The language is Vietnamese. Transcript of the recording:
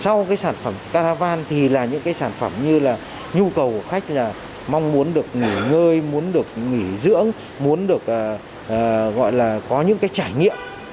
sau sản phẩm caravan những sản phẩm như nhu cầu của khách là mong muốn được nghỉ ngơi muốn được nghỉ dưỡng muốn có những trải nghiệm